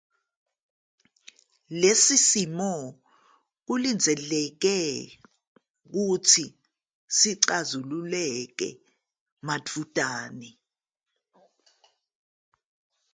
Lesi simo kulindeleke ukuba sixazululeke maduzane.